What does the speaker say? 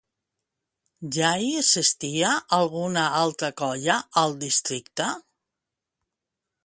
Ja hi existia alguna altra colla al districte?